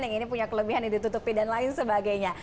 yang ini punya kelebihan yang ditutupi dan lain sebagainya